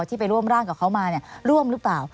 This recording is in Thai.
ที่ไปร่วมร่างกับเขามาร่วมหรือเปล่า